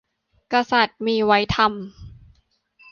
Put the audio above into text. กษัตริย์มีไว้ทำ